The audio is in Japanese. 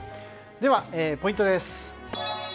ではポイントです。